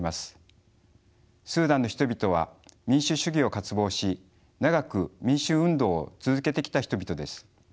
スーダンの人々は民主主義を渇望し長く民主運動を続けてきた人々です。